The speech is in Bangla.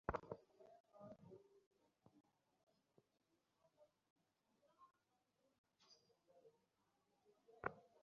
কিছুদিনের মধ্যেই একটা বাইসাইকেল কিনে ফেললাম শরীরটাকে হাঁটাহাঁটি থেকে একটু স্বস্তি দেওয়ার জন্য।